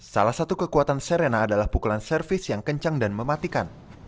salah satu kekuatan serena adalah pukulan servis yang kencang dan mematikan